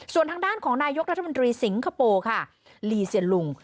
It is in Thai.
ส่วนทางด้านของนายกรัฐมนตรีสิงคโปร์ค่ะลีเซียนลุง